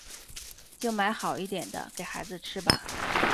就买好一点的给孩子吃吧